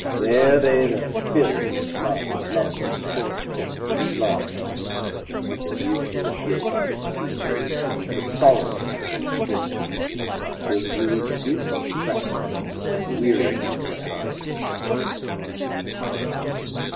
There they thir fill of Love and Loves disport Took largely, of thir mutual guilt the Seale, The solace of thir sin, till dewie sleep Oppress'd them, wearied with thir amorous play.